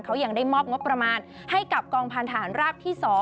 เขายังได้มอบงบประมาณให้กับกองพันธานราบที่๒